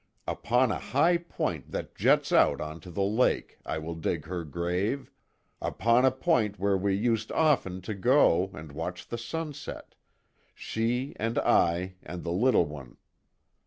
Upon a high point that juts out onto the lake, I will dig her grave upon a point where we used often to go and watch the sunset, she and I and the little one.